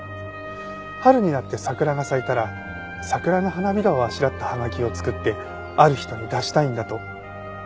春になって桜が咲いたら桜の花びらをあしらった葉書を作ってある人に出したいんだと。